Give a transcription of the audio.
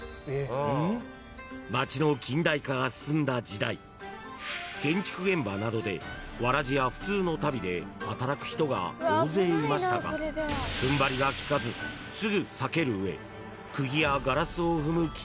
［街の近代化が進んだ時代建築現場などでわらじや普通の足袋で働く人が大勢いましたが踏ん張りが利かずすぐ裂ける上］